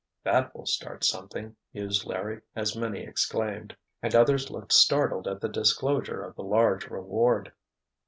"That will start something!" mused Larry as many exclaimed, and others looked startled at the disclosure of the large reward.